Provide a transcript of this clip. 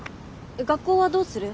学校はどうする？